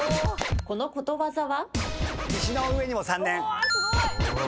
このことわざは？